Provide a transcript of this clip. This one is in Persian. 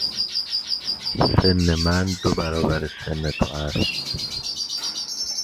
سن من دو برابر سن تو است.